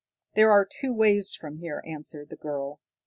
"There are two ways from here," answered the girl.